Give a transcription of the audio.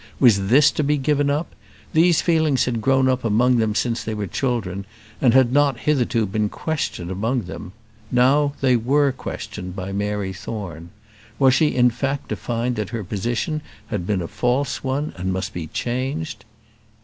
Was this to be given up? These feelings had grown up among them since they were children, and had not hitherto been questioned among them. Now they were questioned by Mary Thorne. Was she in fact to find that her position had been a false one, and must be changed?